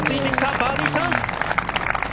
バーディーチャンス！